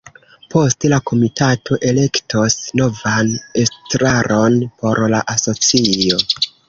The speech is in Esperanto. Poste la komitato elektos novan estraron por la asocio.